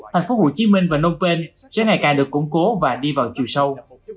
thành phố hồ chí minh và nông tên sẽ ngày càng được củng cố và đi vào chiều sâu